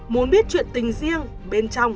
muốn biết chuyện tình riêng bên trong